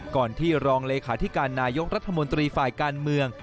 ก่อนที่รองเลขาธิการนายกรัฐมนตรีฝ่ายการเมือง